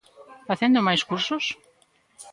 Facendo máis cursos?